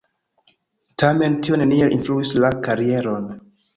Tamen tio neniel influis la karieron.